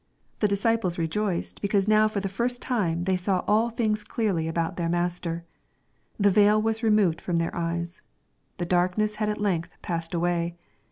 The disciples rejoiced, because now for the first time they saw all things clearly about their Master. The veil was removed fr#m their eyes. The darkness had at length passed away.